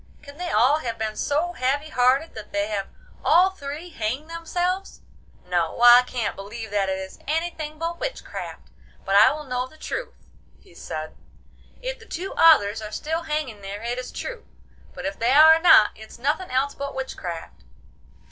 Can they all have been so heavy hearted that they have all three hanged themselves? No, I can't believe that it is anything but witchcraft! But I will know the truth,' he said; 'if the two others are still hanging there it is true but if they are not it's nothing else but witchcraft.